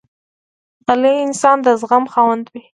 غلی انسان، د زغم خاوند وي.